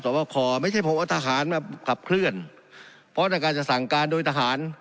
คอไม่ใช่เพราะว่าทหารมาขับเคลื่อนเพราะในการจะสั่งการโดยทหาร